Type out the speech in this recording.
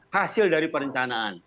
hasil dari perencanaan